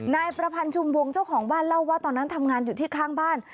นายประพันธ์ชุมวงเจ้าของบ้านเล่าว่าตอนนั้นทำงานอยู่ที่ข้างบ้าน